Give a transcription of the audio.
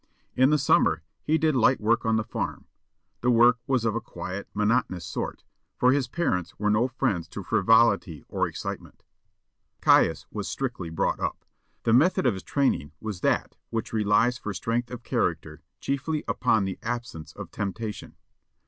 In the summer he did light work on the farm; the work was of a quiet, monotonous sort, for his parents were no friends to frivolity or excitement. Caius was strictly brought up. The method of his training was that which relies for strength of character chiefly upon the absence of temptation.